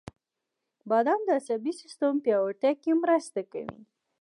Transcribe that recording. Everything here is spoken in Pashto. • بادام د عصبي سیستم پیاوړتیا کې مرسته کوي.